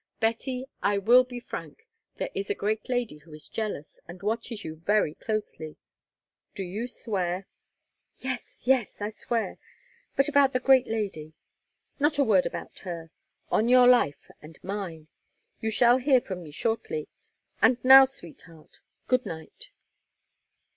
Betty, I will be frank, there is a great lady who is jealous, and watches you very closely. Do you swear?" "Yes, yes, I swear. But about the great lady?" "Not a word about her—on your life—and mine. You shall hear from me shortly. And now, sweetheart—good night."